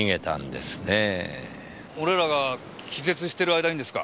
俺らが気絶してる間にですか？